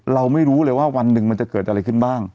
เราไม่รู้เลยว่าวันหนึ่งมันจะเกิดอะไรขึ้นบ้าง